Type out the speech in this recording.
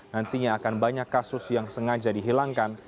nantinya akan banyak kasus yang sengaja dihilangkan